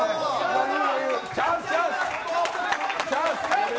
チャンス、チャンス。